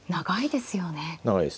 長いです。